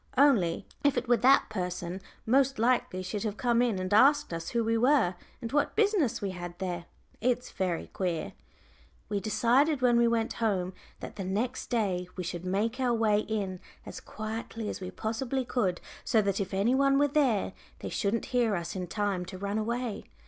Only if it were that person, most likely she'd have come in and asked us who we were, and what business we had there; it's very queer." We decided when we went home that the next day we should make our way in as quietly as we possibly could, so that if any one were there, they shouldn't hear us in time to run away.